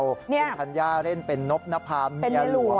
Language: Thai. คุณธัญญาเล่นเป็นนบนภาพเมียหลวง